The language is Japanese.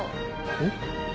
えっ？